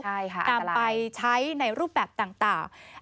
ตามไปใช้ในรูปแบบต่าง